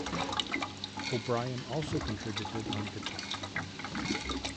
O'Brien also contributed on guitar.